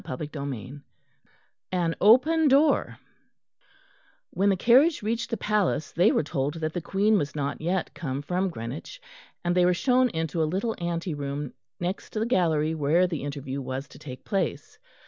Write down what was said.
CHAPTER XIV AN OPEN DOOR When the carriage reached the palace they were told that the Queen was not yet come from Greenwich; and they were shown into a little ante room next the gallery where the interview was to take place.